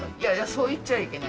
そう言っちゃいけない。